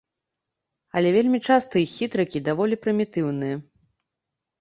Але вельмі часта іх хітрыкі даволі прымітыўныя.